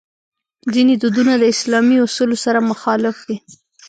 ځینې دودونه د اسلامي اصولو سره مخالف دي.